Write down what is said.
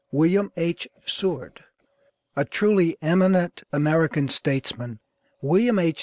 WILLIAM H. SEWARD. A truly eminent American statesman, William H.